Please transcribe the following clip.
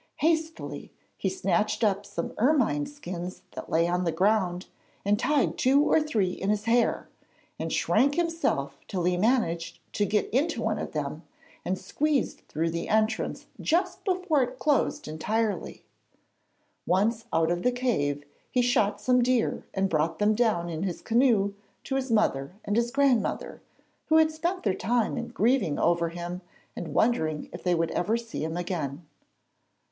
Hastily he snatched up some ermine skins that lay on the ground and tied two or three in his hair, and shrank himself till he managed to get into one of them, and squeezed through the entrance just before it closed entirely. Once out of the cave he shot some deer and brought them down in his canoe to his mother and his grandmother, who had spent their time in grieving over him and wondering if they would ever see him again.